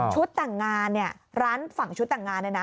แต่งงานเนี่ยร้านฝั่งชุดแต่งงานเนี่ยนะ